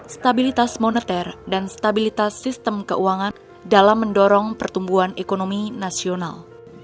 stabilitas moneter dan stabilitas sistem keuangan dalam mendorong pertumbuhan ekonomi nasional